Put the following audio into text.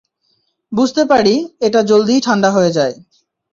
বুঝতে পারি, এটা জলদিই ঠান্ডা হয়ে যায়।